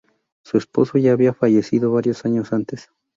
Su esposo ya había fallecido varios años antes.